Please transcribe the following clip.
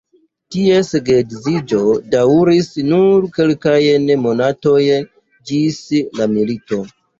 Ties geedziĝo daŭris nur kelkajn monatojn ĝis la milito.